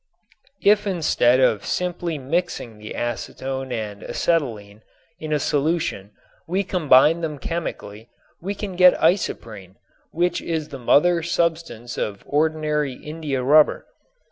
If instead of simply mixing the acetone and acetylene in a solution we combine them chemically we can get isoprene, which is the mother substance of ordinary India rubber.